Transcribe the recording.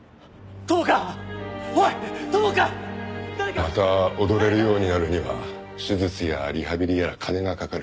また踊れるようになるには手術やリハビリやら金がかかる。